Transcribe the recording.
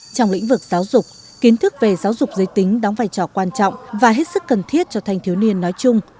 trong lĩnh vực giáo dục kiến thức về giáo dục giới tính đóng vai trò quan trọng và hết sức cần thiết cho thanh thiếu niên nói chung